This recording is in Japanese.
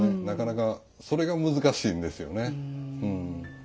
なかなかそれが難しいんですよねうん。